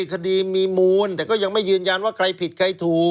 คดีมีมูลแต่ก็ยังไม่ยืนยันว่าใครผิดใครถูก